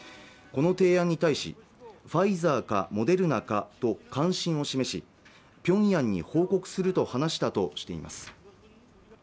この提案に対しファイザーがモデルナかと関心を示し平壌に報告すると話したとしています